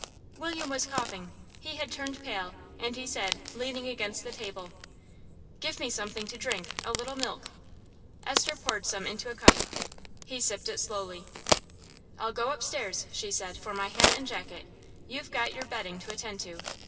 William was coughing. He had turned pale, and he said, leaning against the table, "Give me something to drink, a little milk." Esther poured some into a cup. He sipped it slowly. "I'll go upstairs," she said, "for my hat and jacket. You've got your betting to attend to."